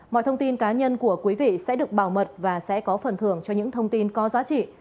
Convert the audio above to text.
mọi thông tin cá nhân của quý vị sẽ được bảo mật và sẽ có phần thưởng cho những thông tin có giá trị